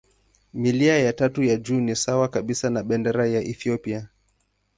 Milia ya tatu ya juu ni sawa kabisa na bendera ya Ethiopia.